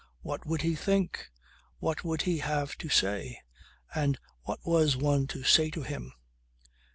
What would he think? What would he have to say? And what was one to say to him?